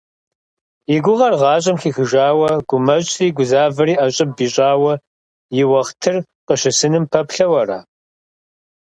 И гугъэр гъащӏэм хихыжауэ, гумэщӏри гузавэри ӏэщӏыб ищӏауэ и уэхътыр къыщысыным пэплъэу ара?